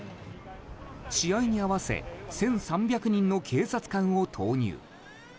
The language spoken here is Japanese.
試合に合わせ１３００人の警察官を投入。